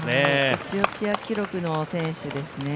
エチオピア記録の選手ですね。